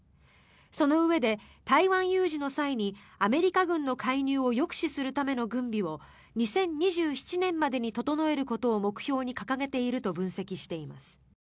そのうえで、台湾有事の際にアメリカ軍の介入を抑止するための軍備を２０２７年までに整えることを目標に掲げていると分析しています。